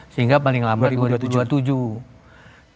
sehingga paling lambat di tahun dua ribu dua puluh tujuh